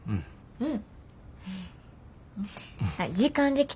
うん。